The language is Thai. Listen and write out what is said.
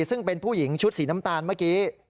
ซึ่งเป็นผู้หญิงชุดสีน้ำตาลเมื่อกี้